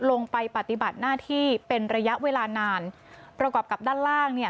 ปฏิบัติหน้าที่เป็นระยะเวลานานประกอบกับด้านล่างเนี่ย